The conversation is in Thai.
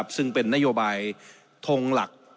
ซึ่งเป็นนโยบายทงหลัก